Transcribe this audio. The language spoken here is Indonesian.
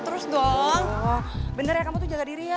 oke sampai jumpa lagi